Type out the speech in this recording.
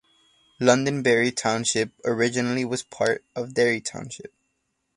Londonderry Township originally was part of Derry Township.